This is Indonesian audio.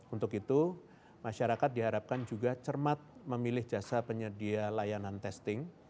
untuk itu masyarakat diharapkan juga cermat memilih jasa penyedia layanan testing